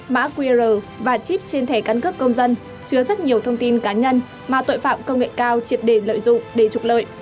mã qr và chip trên thẻ căn cước công dân chứa rất nhiều thông tin cá nhân mà tội phạm công nghệ cao triệt đề lợi dụng để trục lợi